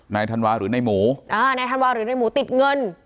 ธันวาหรือในหมูอ่านายธันวาหรือในหมูติดเงิน